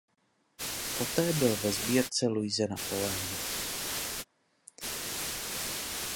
Poté byl ve sbírce Luise Napoleona.